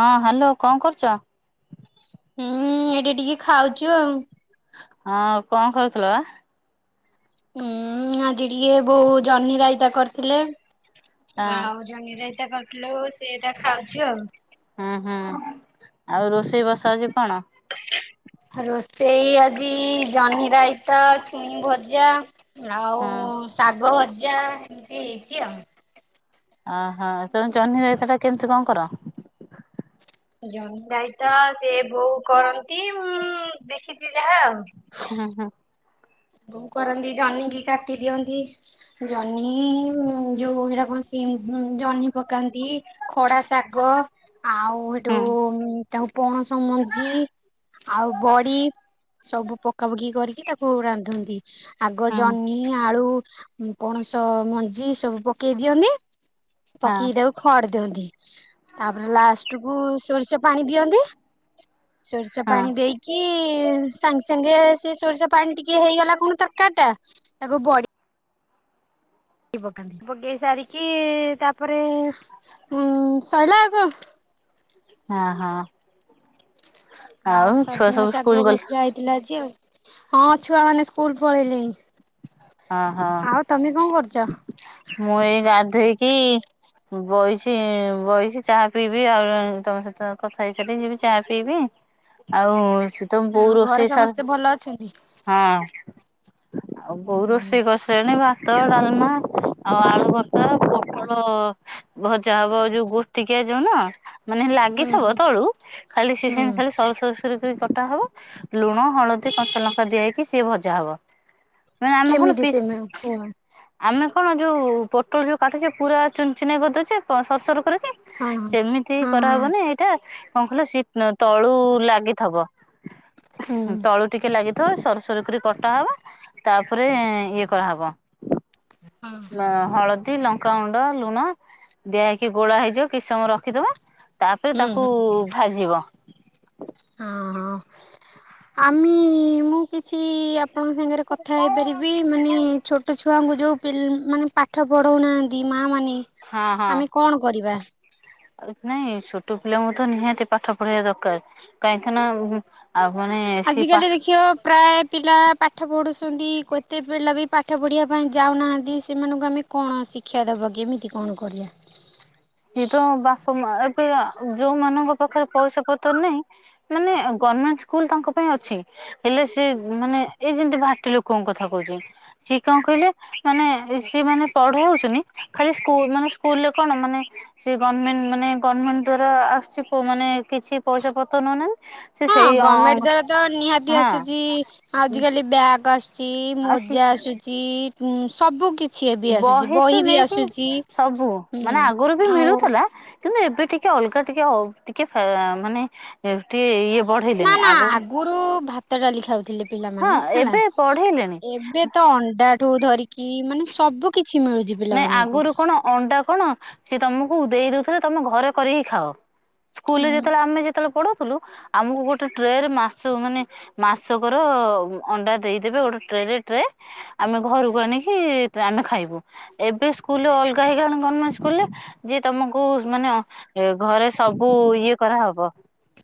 ହଁ ହାଲୋ କଣ କରୁଛ ହୁଁ ଏଠି ଟିକେ ଖାଉଛୁ ଆଉ ହଁ କଣ କରୁଥଲ ବା ଉୁଁ ଆଜି ଟିକେ ବୋଉ ଜହ୍ନିରାଇତା କରିଥିଲେ ଆଉ ଜହ୍ନିରାଇତା କରିଥିଲେ ବୋଉ ସେଟା ଖାଉଛିୁ ଆଉ ହୁଁ ହୁଁ ଆଉ ରୋଷେଇ ବସାହଉଛି କଣ ରୋଷେଇ ଆଜି ଜହ୍ନିରାଇତା, ଛୁଇଁ ଭଜା ହଁ ଆଉ ଶାଗଭଜା ଏମିତି ହେଇଛି ଆଉ ଓହୋ ତଣୁ ଜହ୍ନିରାଇତାଟା କେମିତି କଣ କର ଜହ୍ନିରାଇତା ସେ ବୋଉ କରନ୍ତି ମୁଁ ଦେଖିଛି ଯାହା ଆଉ ହୁଁ ହୁଁ ସବୁ କରନ୍ତି ଜହ୍ନି କିି କାଟି ଦିଅନ୍ତି ଜହ୍ନି ଯୋଉା ଆ ସି ଜହ୍ନି ପକାନ୍ତି ଖଡା ଶାଗ ଆଉ ହୁଁ ସେଠୁ ତା ପଣସ ମଞ୍ଜି ଆଉ ବଡି ସବୁ ପକାାପକି କରିକି ତାକୁ ନ୍ତି ଆଗ ହୁଁ ଜହ୍ନି ଆଳୁ ପଣସ ମଞ୍ଜି ସବୁ ପକେଇ ଦିଅନ୍ତି ହଁ ପକେଇକି ତାକୁ ଖଡ ଦିଅନ୍ତି ତାପରେ ଲାଷ୍ଟ କୁ ସୋରିଷ ପାଣି ଦିଅନ୍ତି ସୋରିଷ ହଁ ପାଣି ଦେଇକି ସାଙ୍ଗେ ସାଙ୍ଗେ ସେ ସୋରିଷ ପାଣି ଟିକେ ହେଇଗଲା କଣ ତରକାରୀ ଟା ତାକୁ ବଢ ପକାନ୍ତି ପକେଇ ସାରିକି ତାପରେ ଉ ଶୋଇଲା ଆକୁ ହଁ ହଁ ଆଉ ଛୁଆ ସଜନା ସବୁ ସ୍କୁଲ ଶାଗ ଗଲେ? ଭଜା ହେଇଥିଲା ଆଜି ଆଉ ହଁ ଛୁଆ ମାନେ ସ୍କୁଲ ପଢଳେଇିଲି ହଁ ହଁ ମୁଁ ଏଇ ଗାଧୋଇକି ବହିଛି ବହିଛି ଚାହା ପିଇବି ଆଉ ତମ ସହିତ କଥା ହେଇସାରିଲି ଯିବି ଚାହା ପିଇବି ଆଉ ସେ ତମ ଆଉ ବୋଉ ଘରେ ରୋଷେଇ ସମସ୍ତେ ଭଲ ଅଛନ୍ତି? ସାର ହଁ କୋଉ ହୁଁ ରୋଷେଇ କରିସିଲଣି ଭାତ ଡାଲମା ଆଉ ଆଳୁ ଭର୍ଷା ପଟଳ ଭଜା ହବଉ ଯୋଉ ଗୋତିିକିଆ ଯୋଉନ ମାନେ ହୁଁ ଲାଗିଥିବ ହୁଁ ତଳୁ ଖାଲି ସି ହୁଁ ଖାଲି ସ ସ କଟା ହବ ଲୁଣ ହଳଦୀ କଞ୍ଚାଲଙ୍କା ଦିଆଇକି ସିଏ ଭଜା ହବ ମ ଆମ କ କେମିତି ପ ସେମାନେ କୁହ ଆମେ କଣ ଯୋଉ ପୋଟଳ ଯୋଉ କାଟୁଛେ ପୁରା ଚୁ ଚିନାେଇ କରିଦେଇଛେ ସର ସର କରି ହଁ ହଁ। ସେମିତି ହଁ ହଁ କରାହବନି ଏଇଟା କଣ କହିଲ ସିଏ ତଳୁ ଲାଗିଥିବ ହୁଁ ତଳୁ ଟିକେ ଲାଗି ସରୁସରୁ କରି କଟା ହବ ତାପରେ ଇଏ କରହବ ହଁ ହଳ ଲଙ୍କାୁଣ୍ଡ ଲୁଣ ଦିଆ ହେଇକି ଗୋଳା ହେଇଯିବ କିଛି ସମୟ ରଖିଦବା ତାପରେ ହୁଁ ହୁଁ ହଁ ତାକୁ ହଁ। ଭାଜିବ ହ ହ ଆମେ ମୁଁ କିଛି ଆପଣଙ୍କ ସାଙ୍ଗରେ କଥା ହେଇପାରିବି ମାନେ ଛୋଟ ଛୋ ଛୁଆଙ୍କୁ ଯୋଉ ମାନେ ପାଠ ପଢଉନାହାନ୍ତି ମା ମାନେ ଆମେ କଣ କରିବା ଉ ନାଇଁ ଛୋଟ ପିଲାଙ୍କୁ ତ ନିହାତି ପାଠ ପଢେଇିବା ଦରକାର କାହିଁକି ନା ଆଉ ମାନେ ସିଏ ପାଠ ଆଜିକାଲି ଦେଖିବ ପ୍ରାୟ ପିଲା ପାଠ ପଢ଼ୁଛନ୍ତି କେୋତେ ପିଲା ବି ପାଠ ପଢିବା ପାଇଁ ଯାଉନାହାନ୍ତି ସେମାନଙ୍କୁ ଆମେ କଣ ଶିକ୍ଷା ଦବ କେମିତି କଣ କରିବା ହ ସିଏ ତ ବାପା ମା ଏବେ ଯୋଉମାନାନଙ୍କ ପାଖରେ ପଇସା ପତ୍ର ନାହିଁ ମାନେ ମଣ୍ଟ ସ୍କୁଲ ତାଙ୍କ ପାଇଁ ଅଛି ହେଲେ ସେ ମାନେ ଏଇ ଯେମିତି ବାାଟି ଲୋକଙ୍କ କଥା କହୁଛି ସିଏ କଣ କହିଲେ ମାନେ ସିଏ ମାନେ ପଢା ହଉଚନି ଖାଲି ସ୍କୁଲ ମାନେ ସ୍କୁଲରେ କଣ ମାନେ ସେ ଗଭଣ୍ଣମେଣ୍ଟ ମାନେ ଗଭର୍ଣ୍ଣମେଣ୍ଟ ଦ୍ଵାରା ଆସିଛି ମାନେ କିଛି ପଇସା ପତ୍ର ନ ନାହିଁ ସେ ହଁ ସେଇ ଗଭର୍ଣ୍ଣମେଣ୍ଟ ଦ୍ଵାରା ତ ହଁ ବ୍ୟାଗ ଆସୁଛି ସି ମଜା ଆସୁଛି ସବୁ କିଛି ଏବେ ଆସୁଛି ବହି ତ ବି ନେଇକି ଆସୁଛି ସବୁ ହୁଁ ମାନେ ଆଗରୁ ବି ଆଉ ମିଳୁଥିଲା କିନ୍ତୁ ଏବେ ଟିକେ ଟିକେ ଅଲଗା ଟିକେ ଟିକେ ମାନେ ଟିକେ ଇଏ ନା ବଢେଇଲେଣି ନା ଆଗକୁ ଆଗରୁ ଭାତ ଡାଲି ଖାଉଥିଲେ ହଁ ପିଲାମାନେ ହେଲା। ଏବେ ବଢେଇଲେଣି ଏବେ ତ ଅଣ୍ଡାଠୁ ଧରିକି କି ମାନେ ସବୁ କିଛି ମିଳୁଛି ନାଇଁ ପିଲାମାନଙ୍କୁ। ହ ଦେଇ ଦଉଥିଲେ ତମ ଘରେ କରିକି ଖାଅ ସ୍କୁଲରେ ଯେତେବେଳେ ଆମେ ଯେତେବେଳେ ପଢୁ ଆମକୁ ଗୋଟେ ଟ୍ରେରେ ମାସ ମାନେ ମାସକ ର ଅଣ୍ଡା ଦେଇଦବେ ଗୋଟେ ଆମେ ଘରକୁ ଆଣି ଆମେ ଖାଇବୁ ଏବେ ସ୍କୁଲ ଅଲଗା ହେଇଗଲାଣି ଗଣ୍ ସ୍କୁରେ ଯିଏ ତମକୁ ଘରେ ସବୁ ଇଏ କରାହବ।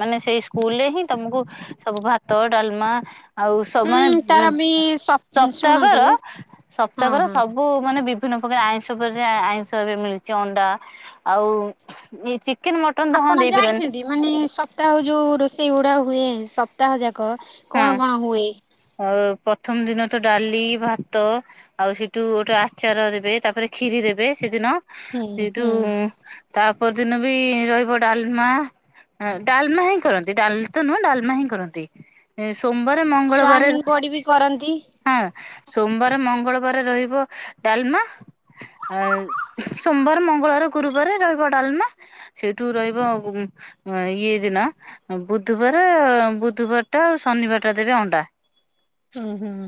ମାନେ ସେଇ ସ୍କୁଲ ରେ ହିଁ ତମକୁ ସବୁ ଭାତ ଡାଲମା ଆଉ ସ ହୁଁ ତାର ମାନେ ବି ଶୁଣନ୍ତୁ ସପ୍ତାକର ହଁ ସପ୍ତାକର ହଁ ସବୁ ମାନେ ବିଭିନ୍ନ ପ୍ରକାର ଆଇଷ ଉପ ଆଇଷ ଏ ମିଳଛି ଅଣ୍ଡା ଆଉ ମଟନ ତ ହଁ ଆପଣ ଦେଇପାରିବନି ଜାଣିଛନ୍ତି ମାନେ ସପ୍ତାହ ଯୋଉ ରୋଷେଇ ଗୁଡା ହୁଏ ସପ୍ତାହ ଯାକ କ ହଁ କଣ କଣ ହୁଏ? ଅ ପ୍ରଥମ ଦିନ ତ ଡାଲି ଭାତ ଆଉ ସେଇଠୁ ଗୋଟେ ଆଚାର ଦେବେ ତାପରେ କ୍ଷିରି ଦେବେ ସେଦିନ । ହୁଁ ସେଇଠୁ ହୁଁ। ତାପର ଦିନ ବି ରହିବ ଡାଲମା ହଁ ଡାଲମା ହିଁ କରନ୍ତି ଡାଲି ତ ନୁହଁ ଡାଲମା ହିଁ କରନ୍ତି । ଏ ସୋମବାର ମଙ୍ଗଳବାର ସୋୟାବିନ୍ ବଡି ବି କରନ୍ତି। ହଁ ସୋମବାର ମଙ୍ଗଳବାର ରହିବ ଡାଲମା ଅ ସୋମବାର ମଙ୍ଗଳବାର ଗୁରୁବାର ରହିବ ଡାଲମା, ସେଇଠୁ ରହିବ ଅ ଇଏ ଦିନ ବୁଧବାର ର ବୁଧବାର ଟା ଆଉ ଶନିବାର ଟା ଦେବେ ଅଣ୍ଡା। ହୁଁ ହୁଁ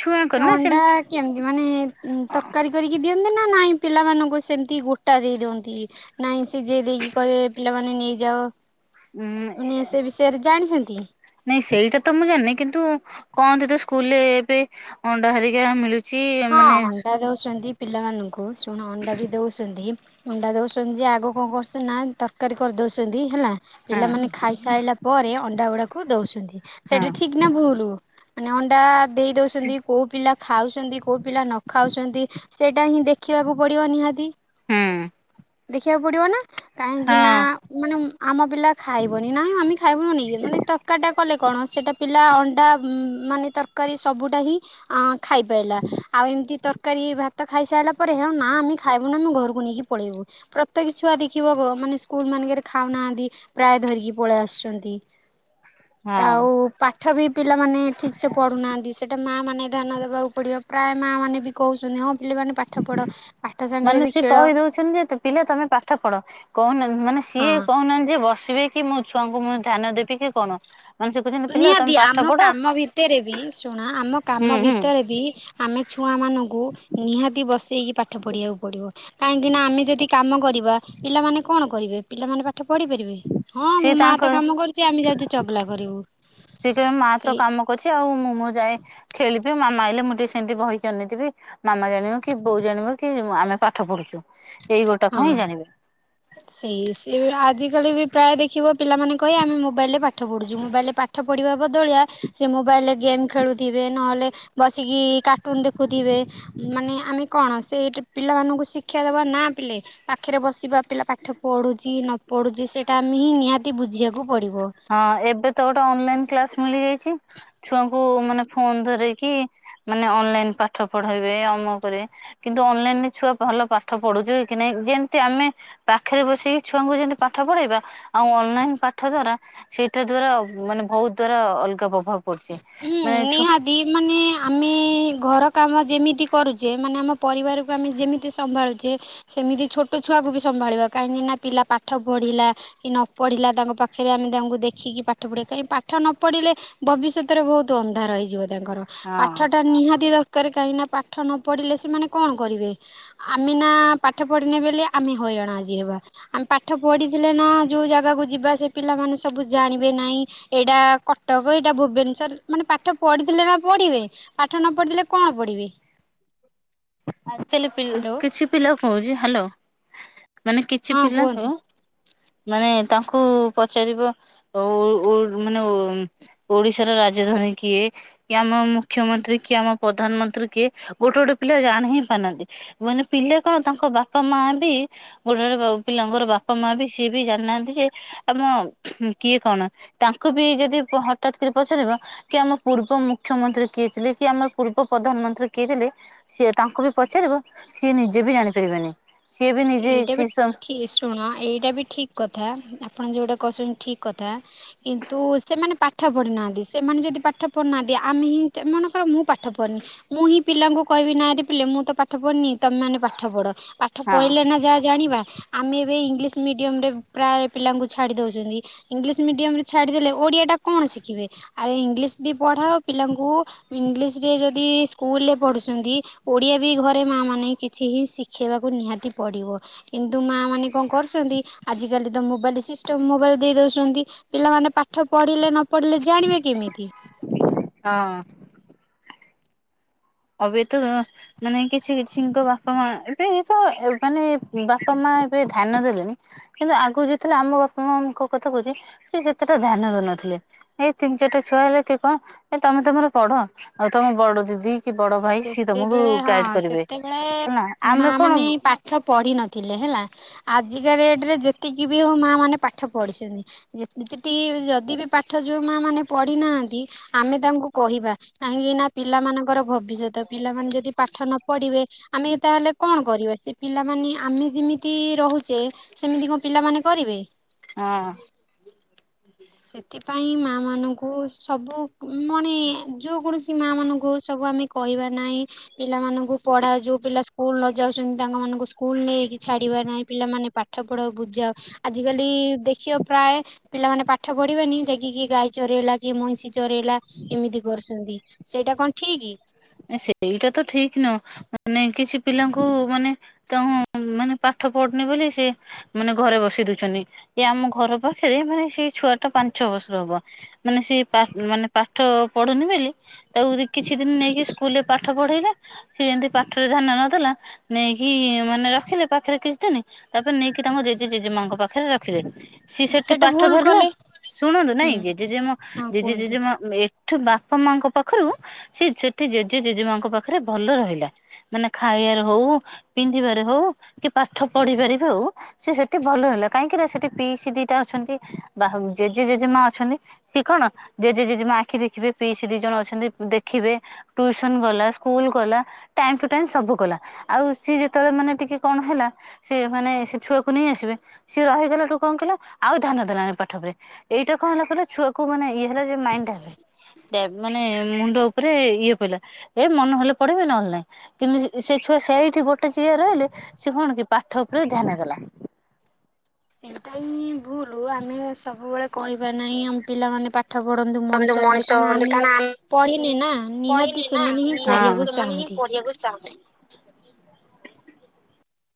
ଛୁଆଙ୍କର ସେ ନା ଅଣ୍ଡା ସେମିତି କେମିତି ମାନେ ଉ ହଁ ତରକାରୀ କରିକି ଦିଅନ୍ତି। ସେମତି ନା ନାଇଁ ପିଲାମାନଙ୍କୁ ସେମିତି ଗୋଟା ଦେଇ ଦିଅନ୍ତି। ନାଇ ସିଝେଇ ଦେଇକି କହିବେ ଏ ପିଲାମାନୋନେ ନେଇଯାଅ। ଉଁ ଉଁ ସେ ବିଷୟରେ ଜାଣିଚନ୍ତି? ନାଇଁ ସେଇଟା ତ ମୁଁ ଜାଣିନି କିନ୍ତୁ କହନ୍ତି ତ ସ୍କୁଲରେ ଏବେ ଅଣ୍ଡା ହରିକା ମିଳୁ ହଁ ଅଣ୍ଡା ଦଉଚନ୍ତି ପିଲାମାନଙ୍କୁ ଶୁଣ ଅଣ୍ଡା ବି ଦଉଚନ୍ତି। ମୁଣ୍ଡା ଦଉଚନ୍ତି ଯେ ଆଗ କଣ କରୁଚନ୍ତି ନା ତରକାରୀ କରି ଦଉଚନ୍ତି ହେଲା। ହଁ ପିଲାମାନୋନ ଖାଇସାରିଲା ପରେ ଅଣ୍ଡା ଗୁଡାକୁ ଦଉଚନ୍ତି ହଁ ସେଟା ଠିକ ନା ଭୁଲ? ମାନେ ଅଣ୍ଡା ଦେଇ ସେ ଦଉଚନ୍ତି କୋଉ ପିଲା ଖାଉଚନ୍ତି କୋଉ ପିଲା ନ ଖାଉଚନ୍ତି ସେଇଟା ହିଁ ଦେଖିବାକୁ ପଡିବ ନିହାତି। ହୁଁ ଦେଖିବାକୁ ପଡିବ ନା। କାହିଁକି ନା ହଁ ମାନେ ଆମ ପିଲା ଖାଇବନି ନା ଆମେ ଖାଇବୁନୁନି ମାନେ ତରକାରୀ ଟା କଲେ କଣ କଣ ସେଟା, ପିଲା ଅଣ୍ଡା ମାନେ ତରକାରୀ ସବୁଟା ହିଁ ଖାଇପାଇଲା। ଆଉ ଏମିତି ତରକାରୀ ଭାତ ଖାଇସାରିଲା ପରେ ହେଉ, ନା ଆମେ ଖାଇବୁ, ନା ଆମେ ଘରକୁ ନେଇକି ପଳାଇବୁ। ପ୍ରତ୍ୟେକେ ଛୁଆ ଦେଖିବ ମାନେ ସ୍କୁଲ ମାନଙ୍କରେ ଖାଉନାହାନ୍ତି ପ୍ରାୟ ଧରିକି ପଳେଇ ଆସୁଛନ୍ତି। ହଁ ଆଉ ପାଠ ବି ପିଲାମାନେ ଠିକ୍ ସେ ପଢ଼ୁନାହାନ୍ତି, ସେଇଟା ମା ମାନ ମାନେ ଧ୍ୟାନ ଦେବାକୁ ପଡିବ ପ୍ରାୟ ମା ମାନେ ବି କହୁଛନ୍ତି ହଁ ପିଲାମାନେ ପାଠ ପଢ ପାଠ ସାଙ୍ଗରେ ମାନେ ବି ସି ଖେଳ କହି ଦଉଛନ୍ତି ଯେ ପିଲା ତମେ ପାଠ ପଢ କହୁନାହାନ୍ତି ମାନେ ସିଏ ହଁ କହୁନାହାନ୍ତି ଯେ ବସିବେ କି ମୋ ଛୁଆଙ୍କୁ ମୁଁ ଧ୍ୟାନ ଦେବି କି କଣ ମାନେ ସେ କହୁଛନ୍ତି ପିଲା ତମେ ନିହାତି ପାଠ ଆମ ପଢ କାମ ଭିତରେ ବି ଶୁଣ ଆମ ହୁଁ କାମ ହୁଁ ଭିତରେ ବି ଆମ ଛୁଆମାନଙ୍କୁ ନିହାତି ବସେଇକି ପାଠ ପଢ଼ାଇବାକୁ ପଡ଼ିବ। କାହିଁକିନା ଆମେ ଯଦି କାମ କରିବା ପିଲାମାନେ କଣ କରିବେ? ପିଲାମାନଙ୍କ ର ପଢିପାରିବେ ହଁ ମୋ ସିଏ ମା ତ ତାଙ୍କ କାମ କରୁଛି ଆମେ ଯାଉଛ ଚଗଲା କରିବୁ। ସେ କହିବ ମା ତ ସେଇ କାମ କରୁଛି ଆଉ ମୁଁ ଯାଏ ଖେଳିବି ମାମା ଆଇଲେ ମୁଁ ଟିକେ ସେମିତି ବହିକି ଅନେଇଥିବି ମାମା ଜାଣିବ କି ବୋଉ ଜାଣିବ କି ଆମେ ପାଠ ପଢୁଛୁ । ହଁ ସେଇ ସେ ଆଜିକାଲି ବି ପ୍ରାୟ ଦେଖିବ ପିଲାମାନେ କହି ଆମେ ମୋବାଇଲରେ ପାଠ ପଢ଼ୁଛୁ ମୋବାଇଲରେ ପାଠ ପଢ଼ିବା ବଦଳିଆ ସେ ମୋବାଇଲ୍ରରେ ଗେମ ଗେମ୍ ଖେଳୁଥିବେ ନହେଲେ ବସିକି କାର୍ଟୁନ ଦେଖୁଥିବେ ମାନେ ଆମେ କଣ ସେ ପିଲାମାନଙ୍କୁ ଶିକ୍ଷା ଦେବା ନା ପିଲେ ପାଖରେ ବସିବା ପିଲା ପାଠ ପଢ଼ୁଛି ନ ପଢ଼ୁଛି ସେଇଟା ଆମେ ହିଁ ନିହାତି ବୁଝିବାକୁ ପଡ଼ିବ। ହଁ ଏବେ ତ ଗୋଟେ ଅନଲାଇନ କ୍ଲାସ ମିଳିଯାଇଛି ଛୁଆଙ୍କୁ ମାନ ଫୋନ ଧର କିି ମାନେ ଅନଲାଇ ପାଠ ପଢେଇବେ ଅମକ କରିବେ କିନ୍ତୁ ଅନଲାଇନ୍ ମତି ଛୁଆ ଭଲ ପାଠ ପଢୁଛୁ କି ନାଇଁ ଯେମିତି ଆମେ ପାଖରେ ବସିକି ଛୁଆଙ୍କୁ ଯେମିତି ପାଠ ପଢେଇବା ଆଉ ଅନଲାଇନ ପାଠ ଦ୍ଵାରା ସେଇଟା ଦ୍ଵାରା ମାନେ ବହୁତ ଦ୍ଵାରା ଅଲଗା ପବ ହୁଁ ନିହାତି ମାନେ ଆମେ ଘର କାମ ଯେମିତି କରୁଚେ ମାନେ ଆମ ପରିବାରକୁ ଆମେ ଯେମିତି ସମ୍ଭାଳୁଚେ ସେମିତି ଛୋଟ ଛୁଆକୁ ବି ସମ୍ଭାଳିବା। କାହିଁକି ନା ପିଲା ପାଠ ପଢିଲା କି ନ ପଢିଲା ତାଙ୍କ ପାଖରେ ଆମେ ତାଙ୍କୁ ଦେଖିକି ପାଠ ପଢିବା କାହିଁକି ପା ପାଠ ନ ପଢିଲେ ଭବିଷ୍ୟତରେ ବହୁତ ଅନ୍ଧାର ହେଇଯିବ ତାଙ୍କର ହଁ। ପାଠ ଟା ନିହାତି ଦର ରେ କାହିଁକି ନା ପାଠ ନ ପଢିଲେ ସେମାନେ କଣ କରିବେ? ଆମେ ନା ପାଠ ପଢିନେ ବଲେ ଆମେ ହ ହଇରାଣ ଆଜି ହେବା, ଆମେ ପାଠ ପଢିଥିଲେ ନା ଯଉ ଜାଗାକୁ ଯିବା ସେ ପିଲାମାନେ ସବୁ ଜାଣିବେ ନାଇଁ ଏଇଟା କଟକ । ଆ ଏଇଟା ଭୁବନେଶ୍ୱର ମାନେ ପାଠ ପଢିଥିଲେ ନା ପଢିବେ ପାଠ ନ ପଢିଥିଲେ କଣ ପଢିବେ । ଆଜ କାଲି କିଛି ପିଲା କହୁଛି ହ୍ୟାଲୋ। ମାନେ କିଛି ହଁ କୁହନ୍ତୁ। ପିଲାଙ୍କୁ ମାନେ ତାଙ୍କୁ ପଚାରିବ ଉ ମାନେ ଉ ଓଡିଶାର ରାଜଧାନୀ କିଏ କି ଆମ ମୁଖ୍ୟମନ୍ତ୍ରୀ କିଏ ଆମ ପ୍ରଧାନମନ୍ତ୍ରୀ କିଏ ଗୋଟେ ଗୋଟେ ପିଲା ଜାଣି ହିଁ ପାରନ୍ତି ମାନେ ପିଲା କଣ ତାଙ୍କ ବାପା ମା ବି ଗୋଟେ ଗୋ ପିଲାଙ୍କର ବାପା ମାଁ ବି ସେ ବି ଯା ହାନ୍ତି ଯେ ଆମ କିଏ କଣ ତାଙ୍କୁ ବି ଯଦି ହଠାତ କରି ପଚାରିବ ଆମ ପୂର୍ବ ମୁଖ୍ୟମନ୍ତ୍ରୀ କିଏଥିଲେ କି ଆମର ପୂର୍ବ ପ୍ରଧାନମନ୍ତ୍ରୀ କିଏ ଥିଲେ ସିଏ ତାଙ୍କୁ ବି ପଚାରିବ ସିଏ ନିଜେ ବି ଜାଣିପାରିବେନି। ସିଏ ବି ନିଜେ ଏଇଟା କି ବି ଶୁଣ ଏଇଟା ବି ଠିକ କଥା ଆପଣ ଯୋଉଟା କହୁଛନ୍ତି ଠିକ କଥା କିନ୍ତୁ ସେମାନେ ପା ପାଠ ପଡ଼ିନାହାନ୍ତି ସେମାନେ ଯଦି ପାଠ ପଢୁନାହାନ୍ତି ଆମେ ହିଁ ମନେକର ମୁଁ ପାଠ ପଢି଼ନି ମୁଁ ହିଁ ପିଲାଙ୍କୁ କହିବି ନାଁରେ ପିଲେ ମୁଁ ତ ପାଠ ପଢି଼ନି ତମେ ମାନ ପାଠ ପଢ଼ ପାଠ ହଁ ପଢି଼ଲେ ନା ଯାହା ଜାଣିବା। ଆମେ ଏବେ ଇଂଲିଶ ମିଡିୟମ ରେ ପ୍ରାୟ ପିଲାଙ୍କୁ ଛାଡ଼ି ଦେଉଛନ୍ତି ଇଂଲିଶ ମିଡିୟମ ରେ ଛାଡ଼ି ଦେଲେ ଓ ଓଡ଼ିଆ ଟା କଣ ଶିଖିବେ ଆରେ ଇଂଲିଶ ବି ପଢ଼ାଅ ପିଲାଙ୍କୁ ଇଂଲିଶ ରେ ଯଦି ସ୍କୁଲ ରେ ପଢ଼ୁଛନ୍ତି ଓଡ଼ିଆ ବି ଘରେ ମାଆ ମାନେ କିଛି ହି ଶିଖେଇବାକୁ ନିହାତି ପଡି଼ବ କିନ୍ତୁ ମା ମାନେ କଣ କରୁଛନ୍ତି ଆଜ କାଲି ତ ମୋବାଇଲ ସିଷ୍ଟମ୍ ମୋବାଇଲ ଦେଇ ଦଉଛନ୍ତି ପିଲାମାନେ ପାଠ ପଢ଼ିଲେ ନ ପଢ଼ିଲେ ଜାଣିବା କେମିତି? ହଁ। ଏବେ ତ ମାନେ କିଛି କିଛି ଙ୍କ ବାପା ମା ଏବେ ତ ମାନେ ବାପା ମା ଏବେ ଧ୍ୟାନ ଦେଲେଣି କିନ୍ତୁ ଆଗକୁ ଯେତେଳେ ଆମ ବାପା ମାଙ୍କ କଥା କହୁଛି ସ ସେତେଟା ଧ୍ୟାନ ଦେ ଥିଲେ ଏଇ ତିନି ଚାରିଟା ଛୁଆ ହେଲେ କିଏ କହ ଏ ତମେ ତମର ପଢ଼ ଆଉ ତମ ବଡ଼ ଦିଦି କି ବଡ ଭାଇ ସିଏ ତମକୁ ସେତେବେଳେ ହଁ ଗାଇଡ କରିବେ ସେତେବେଳେ ହେଲା ମା ଆମେ କଣ ମାନେ ପାଠ ପଢ଼ି ନଥିଲେ ହେଲା। ଆଜିକା ଡେଟ ରେ ଯେତିକି ବି ହଉ ମା ମାନେ ପାଠ ପଢି଼ଛନ୍ତି [unintelligible] ଯଦି ବି ପାଠ ଯୋଉ ମା ମାନେ ପଢ଼ି ନାହାନ୍ତି ଆମେ ତାଙ୍କୁ କହିବା। ଭବିଷ୍ୟତ ପିଲାମାନେ ଯଦି ପାଠ ନ ପଢ଼ିବେ ଆମେ ତାହେଲେ କଣ କରିବା ସେ ପିଲାମାନେ ଆମେ ଯେମିତି ରହୁଛେ ସେମିତି କଣ ପିଲାମାନେ କରିବେ। ହଁ। ସେଥିପାଇଁ ମା ମା ମାନଙ୍କୁ ସବୁ ମନେ ଯେକୌଣସି ମା ମାନଙ୍କୁ ସବୁ ଆମେ କହିବା ନାହିଁ। ପିଲାମାନଙ୍କୁ ପଢ଼ାଅ ଯୋଉ ପିଲା ସ୍କୁଲ ନ ଯାଉଛନ୍ତି ତାଙ୍କ ମାନଙ୍କୁ ସ୍କୁଲ ନେଇକି ଛାଡି଼ବା ନାହିଁ ପିଲାମାନେ ପା ପାଠ ପଢ଼ାଅ ବୁଝା ଆଜିକାଲି ଦେଖିବ ପ୍ରାୟ ପିଲାମାନେ ପା ପାଠ ପଢି଼ବେନି ଯାଇକି କି ଗାଈ ଚରେଇଲା କି ମଇଁଷି ଚରଇଲା ଏମିତି କରୁଛନ୍ତି ସେଇଟା କଣ ଠିକ୍? ସେଇଟା ତ ଠିକ୍ ନୁହଁ ମାନେ କିଛି ପିଲାଙ୍କୁ ମାନେ ତା ମାନେ ପାଠ ପଢୁ଼ନି ବୋଲି ସେ ମାନେ ଘରେ ବସେଇ ଦଉଛନ୍ତି ଏ ଆମ ଘର ପାଖରେ ମାନେ ସେଇ ଛୁଆ ଟା ପା ଛଅ ବର୍ଷର ହବ ମାନେ ସେ ମାନେ ପାଠ ପଢୁ଼ନି ବୋଲି ତାକୁ କିଛି ଦିନ୍ ନେଇ ସ୍କୁଲରେ ପାଠ ପଢେଇଲେ ସେ ଯେମିତି ପାଠରେ ଧ୍ୟାନ ନଦେଲା ନେଇକି ମାନେ ରଖିଲେ ପାଖରେ କିଛି ଦିନି ତାପରେ ନେଇକି ତାଙ୍କ ଜେଜେ ଜେଜେ ମାଆଙ୍କ ପାଖରେ ରଖିଲେ। ସିଏ ସେଠି ସେଇଟା ପାଠ ଭୁଲ ଧରିଲା କଲେ ଶୁଣନ୍ତୁ ହୁଁ ନାଇଁ ଜେଜେ ଜେଜେମା ହଁ ଜେଜେ କୁହନ୍ତୁ। ଜେଜେମା ଠୁ ବାପା ମାଙ୍କ ପାଖରୁ ସେ ଜେଜେ ଜେଜେ ମାଙ୍କ ପାଖରେ ଭଲ ରହିଲା ମାନେ ଖାଇବାରେ ହଉ ପିନ୍ଧିବାରେ ହଉ କି ପାଠ ପଢି଼ ପାରିବେ ଆଉ ସେ ସେଠି ଭଲ ହେଲା କାହିଁକି ନା ସେଠି ପିସି ଦିଟା ଅଛନ୍ତି ବା ଜେ ଜେଜେ ଜେଜେମା ଅଛନ୍ତି କି କଣ ଜେଜେ ଜେଜେ ମା ଆଖି ଦେଖିବେ ପିଇ ସେ ଦି ଜଣ ଅଛନ୍ତି ଦେଖିବେ। ଟ୍ୟୁସନ୍ ଗଲା ସ୍କୁଲ ଗଲା ଟାଇମ୍ ଟୁ ଟାଇମ୍ ସବୁ କଲା ଆଉ ସିଏ ଯେତେବେଳେ ମାନେ ଟିକିଏ କଣ ହେଲା ସିଏ ମାନେ ସେ ଛୁଆକୁ ନେଇ ଆସିବେ ସିଏ ରହିଗଲାଠୁ କଣ କହିଲା ଆଉ ଧ୍ୟାନ ଦେଲାନି ପାଠ ଉପରେ ଏଇଟା କଣ ହେଲା କହିଲ ଛୁଆକୁ ମାନେ ଇଏ ହେଲା ଯେ [unintelligible] ମାନେ ମୁଣ୍ଡ ଉପରେ ଇଏ ଏ ମନ ହେଲେ ପଢେଇବେ ନହେଲେ ନାହିଁ କିନ୍ତୁ ସେ ଛୁଆ ସେଇଠି ଗୋଟେ ଯିଏ ରହିଲେ ସେ କଣ ପାଠ ଉପରେ ଧ୍ୟାନ ଗଲା। ସେଇଟା ହିଁ ଭୁଲ୍ ଆମେ ସବୁବେଳେ କହିବା ନାହିଁ ଆମେ ପିଲାମାନେ ପାଠ ପାଠ ପଢ଼ନ୍ତୁ ମଣିଷ ହୁଅନ୍ତୁ କାରଣ ଆମେ ପଢ଼ିନେ ନା ନିହାତି ସେମାନେ ହିଁ ପଢ଼ିବାକୁ ଚାହାଁନ୍ତି। ପଢି଼ବାକୁ ଚାହୁଁନି।